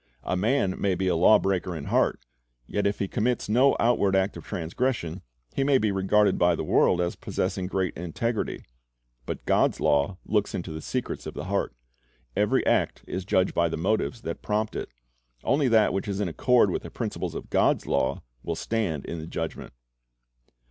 A man may be a law breaker in heart; yet if he commits no outward act of transgression, he may be regarded by the world as possessing great integrity. But God's law looks into the secrets of the heart. Every act is judged by the motives that prompt it. Only that which is in accord with the principles of God's law will stand in the Judgment.